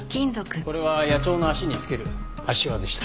これは野鳥の足につける足環でした。